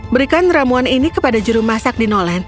berikan ramuan ini kepada juru masak di nolen